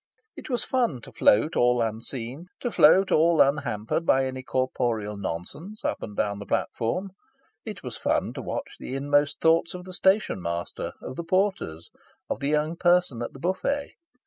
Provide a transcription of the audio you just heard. It was fun to float all unseen, to float all unhampered by any corporeal nonsense, up and down the platform. It was fun to watch the inmost thoughts of the station master, of the porters, of the young person at the buffet.